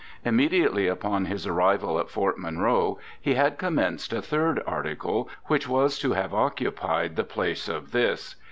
Immediately upon his arrival at Fort Monroe he had commenced a third article, which was to have occupied the place of this.